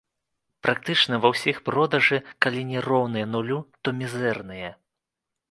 Практычна ва ўсіх продажы калі не роўныя нулю, то мізэрныя.